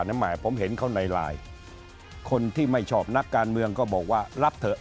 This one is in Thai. แหมผมเห็นเขาในไลน์คนที่ไม่ชอบนักการเมืองก็บอกว่ารับเถอะ